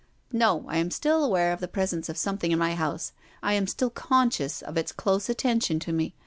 " No. I am still aware of the presence of something in my house. I am still conscious of its close attention to me.